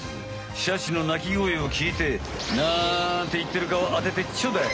シャチの鳴き声をきいてなんていってるかを当ててちょうだい。